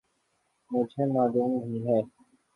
مجھے معلوم نہیں ہے۔